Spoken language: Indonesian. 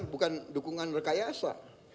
bukan dukungan rekayasa